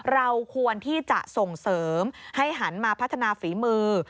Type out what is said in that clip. เราควรที่จะส่งเสริมให้หันมาพัฒนาฝีมือ